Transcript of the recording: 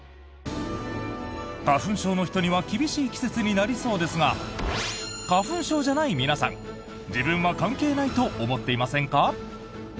花粉症の人には厳しい季節になりそうですが花粉症じゃない皆さん自分は関係ないと思っていませんか？